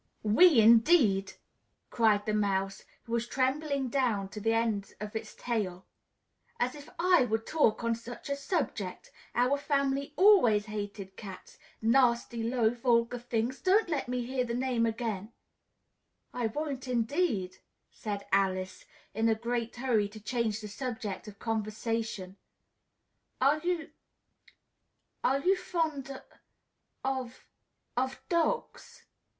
"We, indeed!" cried the Mouse, who was trembling down to the end of its tail. "As if I would talk on such a subject! Our family always hated cats nasty, low, vulgar things! Don't let me hear the name again!" [Illustration: Alice at the Mad Tea Party.] "I won't indeed!" said Alice, in a great hurry to change the subject of conversation. "Are you are you fond of of dogs?